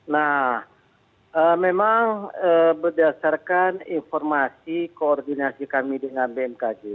nah memang berdasarkan informasi koordinasi kami dengan bmkg